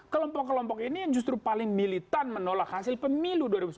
kelompok kelompok ini yang justru paling militan menolak hasil pemilu dua ribu sembilan belas